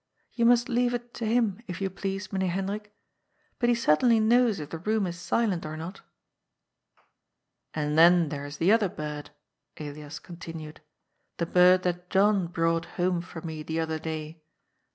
You must leave it to him, if you please, Meneer Hendrik. But he certainly knows if the room is silent or not." ^^ And then there is the other bird," Elias continued, *^ the bird that John brought home for me the other day.